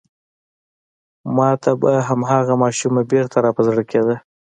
ما ته به هماغه ماشومه بېرته را په زړه کېده.